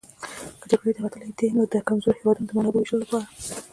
که جګړې ته وتلي دي نو د کمزورو هېوادونو د منابعو وېشلو لپاره.